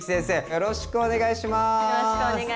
よろしくお願いします！